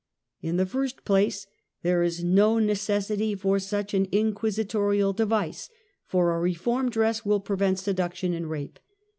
In the first place there is no necessity for such an inquisitorial device, for a reform dress will prevent seduction and rape.